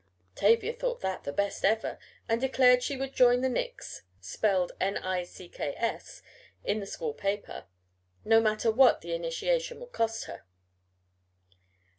'" Tavia thought that "the best ever," and declared she would join the Knicks (spelled "Nicks" in the school paper) no matter what the initiation would cost her.